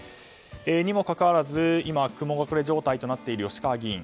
にもかかわらず今、雲隠れ状態となっている吉川議員。